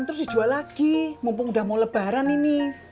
terus dijual lagi mumpung udah mau lebaran ini